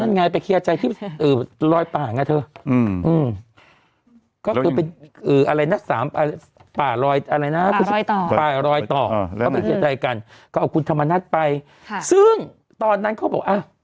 นายกอะไรก็เอาคุณธรรมนัทไปค่ะซึ่งตอนนั้นเขาบอกอ่า